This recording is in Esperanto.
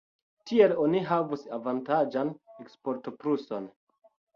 Tiel oni havus avantaĝan eksportpluson.